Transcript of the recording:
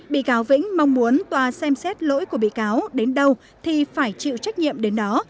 bị cáo vĩnh mong muốn tòa xem xét lỗi của bị cáo đến đâu thì phải chịu trách nhiệm đến đó